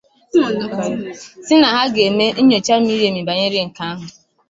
sị na ha ga-eme nnyòcha miri èmì banyere nke ahụ